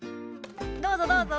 どうぞ、どうぞ。